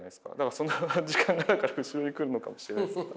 そんな時間があるから後ろに来るのかもしれないですけど。